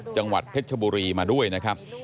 จังหวัดเพชรชบุรีมาด้วยนะครับ